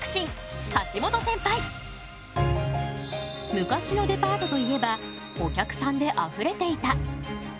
昔のデパートといえばお客さんであふれていた。